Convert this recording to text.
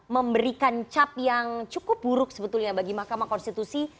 memberikan cap yang cukup buruk sebetulnya bagi mahkamah konstitusi